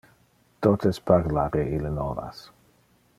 Totes parla re ille novas.